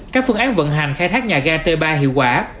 các phương án vận hành khai thác nhà ga t ba hiệu quả